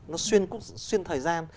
nó xuyên thời gian